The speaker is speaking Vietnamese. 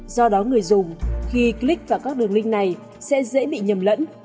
do đó người dùng khi click vào các đường link này sẽ dễ bị nhầm lẫn